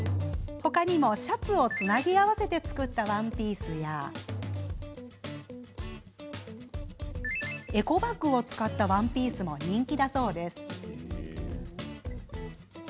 他にも、シャツをつなぎ合わせて作ったワンピースやエコバッグを使ったワンピースも人気だそうです。